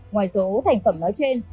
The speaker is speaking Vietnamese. ngoài số thành phẩm nói trên